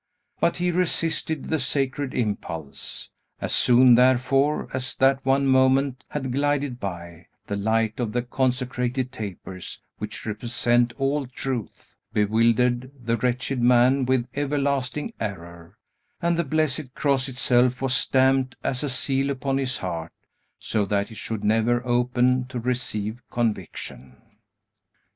But he resisted the sacred impulse. As soon, therefore, as that one moment had glided by, the light of the consecrated tapers, which represent all truth, bewildered the wretched man with everlasting error, and the blessed cross itself was stamped as a seal upon his heart, so that it should never open to receive conviction.